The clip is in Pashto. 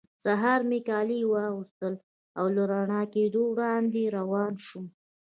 سهار مې کالي واغوستل او له رڼا کېدو وړاندې روان شوم.